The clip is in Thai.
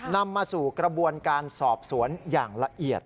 นำมาสู่กระบวนการสอบสวนอย่างละเอียด